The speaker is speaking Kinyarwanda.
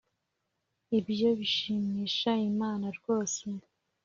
ibyo bishimisha Imana rwose